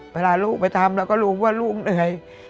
เวลาลูกไปทำเราก็รู้ว่าลูกเหนื่อย